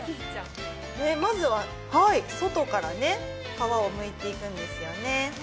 まずは外から皮をむいていくんですよね